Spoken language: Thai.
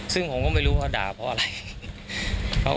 ซึ่งผมก็ไม่รู้ว่าด่าเพราะอะไร